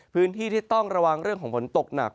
พื้นที่ที่ต้องระวังเรื่องของฝนตกหนัก